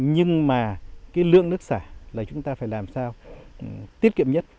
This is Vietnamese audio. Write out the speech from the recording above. nhưng mà cái lượng nước sả là chúng ta phải làm sao tiết kiệm nhất